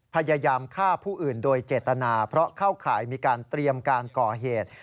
พยายามฆ่าผู้อื่นโดยเจตนาเพราะเข้าข่ายมีการเตรียมการก่อเหตุ